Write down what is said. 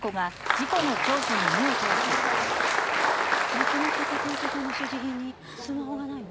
亡くなった立岡さんの所持品にスマホがないわ。